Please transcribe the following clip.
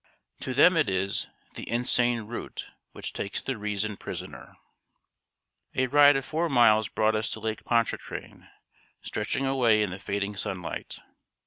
To them it is "The insane root, Which takes the reason prisoner." A ride of four miles brought us to Lake Pontchartrain, stretching away in the fading sunlight.